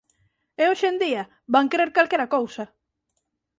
E hoxe en día, van crer calquera cousa.